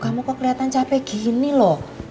kamu kok kelihatan capek gini loh